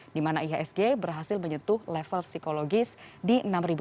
di mana ihsg berhasil menyentuh level psikologis di enam lima ratus